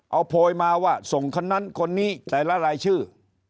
เอาโพยมาว่าส่งคนนั้นคนนี้แต่ละรายชื่อ